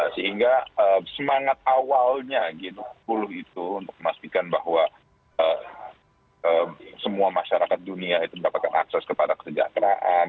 sehingga semangat awalnya g dua puluh itu untuk memastikan bahwa semua masyarakat dunia itu mendapatkan akses kepada kesejahteraan